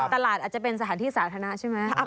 อาจจะเป็นสถานที่สาธารณะใช่ไหม